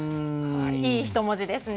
いい、ひと文字ですね。